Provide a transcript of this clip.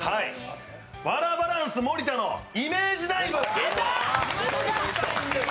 ワラバランス盛田のイメージダイブ。